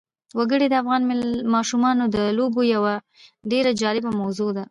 وګړي د افغان ماشومانو د لوبو یوه ډېره جالبه موضوع ده.